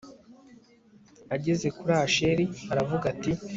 ageze kuri asheri aravuga ati